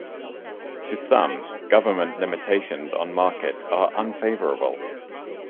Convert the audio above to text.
To some, government limitations on markets are unfavorable.